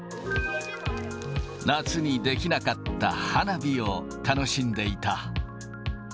夏にできなかった花火を楽しんでいた。